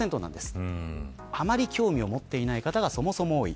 あまり興味を持っていない方がそもそも多い。